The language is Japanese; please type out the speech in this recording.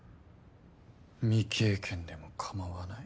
未経験でもかまわない？